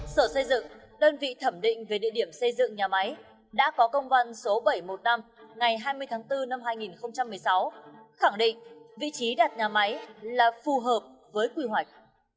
sở xây dựng đơn vị thẩm định về địa điểm xây dựng nhà máy đã có công văn số bảy trăm một mươi năm ngày hai mươi tháng bốn năm hai nghìn một mươi sáu khẳng định vị trí đặt nhà máy là phù hợp với quy hoạch